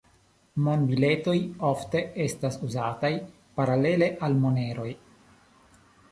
Monbiletoj ofte estas uzataj paralele al moneroj.